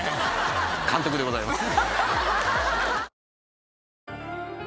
監督でございます。